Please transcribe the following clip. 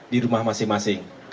di rumah masing masing